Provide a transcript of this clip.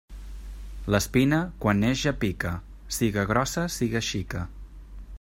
L'espina, quan naix ja pica, siga grossa siga xica.